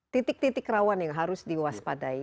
titik titik rawan yang harus diwaspadai